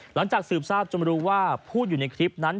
หลังจากสืบทราบจนรู้ว่าผู้อยู่ในคลิปนั้น